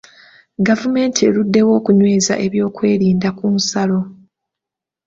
Gavumenti eruddewo okunyweza ebyokwerinda ku nsalo.